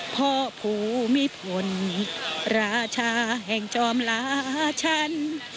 พ่อภูมิพลราชาแห่งจอมลาชัน